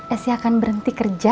esi akan berhenti kerja